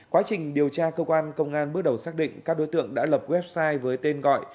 quá trình điều tra cơ quan công an bước đầu xác định các đối tượng đã lập website với tên gọi